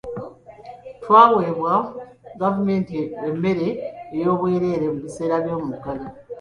Twaweebwa gavumenti emmere ey'obwereere mu biseera by'omuggalo.